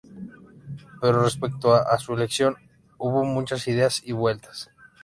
Pero respecto a su elección hubo muchas idas y vueltas.